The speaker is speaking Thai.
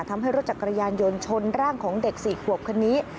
ทำให้รถจักรยานยนต์ชนร่างของเด็ก๔ขวบคนนี้